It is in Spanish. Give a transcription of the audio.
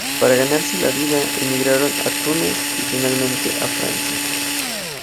Para ganarse la vida, emigraron a Túnez, y finalmente a Francia.